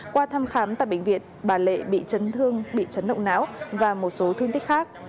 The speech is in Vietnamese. qua thăm khám tại bệnh viện bà lệ bị chấn thương bị chấn động não và một số thương tích khác